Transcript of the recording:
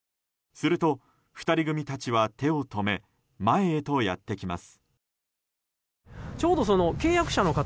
すると、２人組たちは手を止め前へとやってきます。